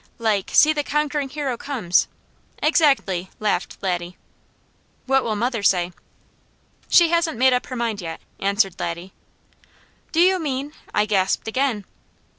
"Like, 'See the conquering hero comes?'" "Exactly!" laughed Laddie. "What will mother say?" "She hasn't made up her mind yet," answered Laddie. "Do you mean ?" I gasped again.